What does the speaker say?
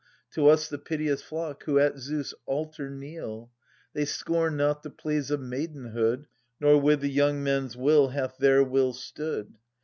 To us, the piteous flock, who at Zeus' altar kneel ! yx:^ They scorned not the pleas of maidenhood. Nor with the young men's will hath their will stood.